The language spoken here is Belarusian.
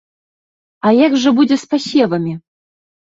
А як жа будзе з пасевамі?